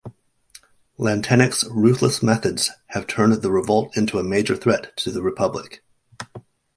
Lantenac's ruthless methods have turned the revolt into a major threat to the Republic.